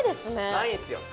ないんですよ。